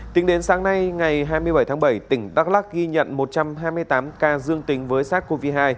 tính đến sáng nay ngày hai mươi bảy tháng bảy tỉnh đắk lắc ghi nhận một trăm hai mươi tám ca dương tính với sars cov hai